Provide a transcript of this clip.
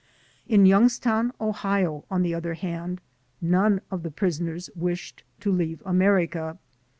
In Youngstown, Ohio, on the other hand, none of the prisoners wished to leave America.